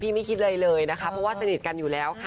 ไม่คิดอะไรเลยนะคะเพราะว่าสนิทกันอยู่แล้วค่ะ